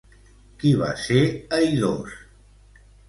Qui va ser Aidós?